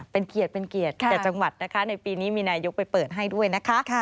เป็นเกียรติเป็นเกียรติแก่จังหวัดนะคะในปีนี้มีนายกไปเปิดให้ด้วยนะคะ